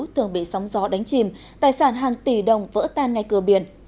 thường bị sóng gió đánh chìm tài sản hàng tỷ đồng vỡ tan ngay cửa biển